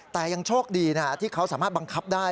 แต่ยังโชคดีที่เขาสามารถบังคับได้